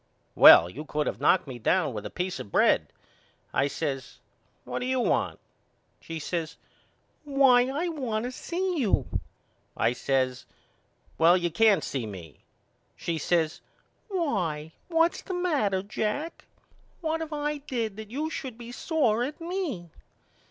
Well, you could of knocked me down with a peace of bread. I says What do you want? She says Why I want to see you. I says Well you can't see me. She says Why what's the matter, Jack? What have I did that you should be sore at me?